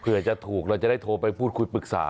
เพื่อจะถูกเราจะได้โทรไปพูดคุยปรึกษา